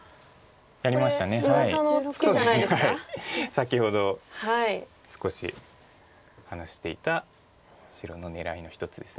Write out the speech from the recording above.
先ほど少し話していた白の狙いの一つです。